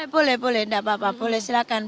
boleh boleh enggak apa apa boleh silakan